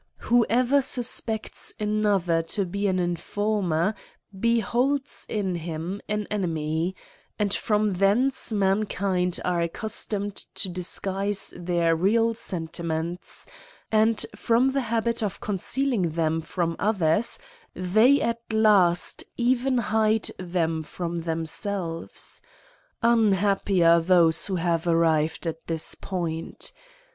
Whoever suspects another to be an inform er, beholds in him an enemy ; and from thence mankind are accustomed to disguise their real sen timents ; and, from the habit of concealing them from others, they at last even hide them from themselves. Unhappy are those who have arrived ^tthis point!